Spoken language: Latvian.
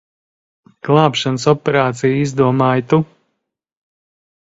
Glābšanas operāciju izdomāji tu.